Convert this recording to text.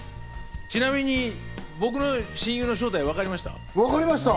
ちなみに僕の親友の正体、分かりました？